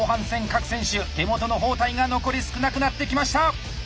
各選手手元の包帯が残り少なくなってきました！